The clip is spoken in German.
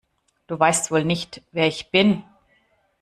Du weißt wohl nicht, wer ich bin!